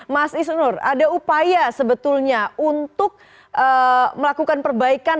mas isnur ada upaya sebetulnya untuk melakukan perbaikan